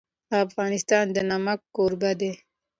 افغانستان د نمک کوربه دی.